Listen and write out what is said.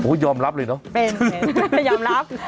ยอมรับเลยเนอะเป็นยอมรับ